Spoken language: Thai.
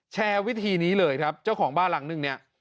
แชร์วิธีนี้เลยครับเจ้าของบ้านหลังนึงเนี่ย